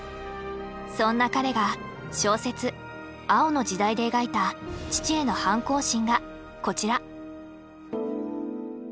そんな彼が小説「青の時代」で描いた父への反抗心がこちら。